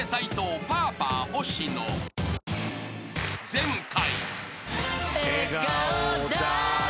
［前回］